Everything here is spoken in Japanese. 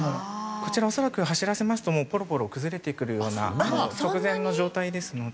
こちら恐らく走らせますともうポロポロ崩れてくるような直前の状態ですので。